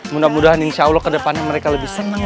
mudah mudahan insya allah ke depannya mereka lebih senang